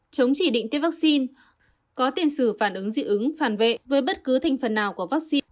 chống chỉ định tiêm vaccine có tiền sử phản ứng dị ứng phản vệ với bất cứ thành phần nào của vaccine